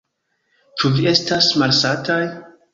Ĉu vi estas malsataj?